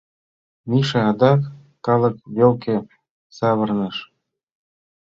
Миша адак калык велке савырныш.